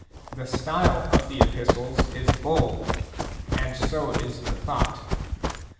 The style of the Epistles is bold, and so is the thought.